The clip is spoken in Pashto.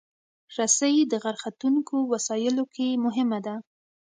رسۍ د غر ختونکو وسایلو کې مهمه ده.